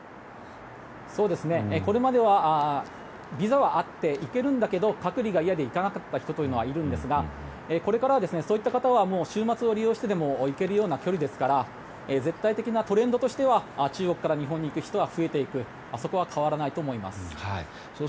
これまではビザはあって行けるんだけど隔離が嫌で行かなかった人というのはいるんですがこれからはそういった方は週末を利用してでも行けるような距離ですから絶対的なトレンドとしては中国から日本に行く人は増えていくそこは変わらないと思います。